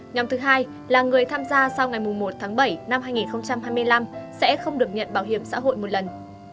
nhóm thứ hai là người tham gia sau ngày một tháng bảy năm hai nghìn hai mươi năm sẽ không được nhận bảo hiểm xã hội một lần